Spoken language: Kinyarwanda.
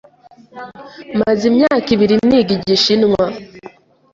Maze imyaka ibiri niga Igishinwa.